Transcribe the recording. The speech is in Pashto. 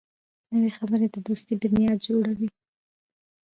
نوې خبرې د دوستۍ بنیاد جوړوي